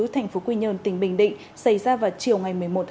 thành phố quy nhơn tỉnh bình định